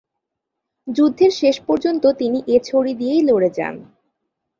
যুদ্ধের শেষ পর্যন্ত তিনি এ ছড়ি দিয়েই লড়ে যান।